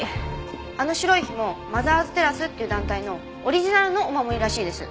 あの白いひもマザーズテラスっていう団体のオリジナルのお守りらしいです。